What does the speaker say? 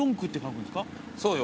そうよ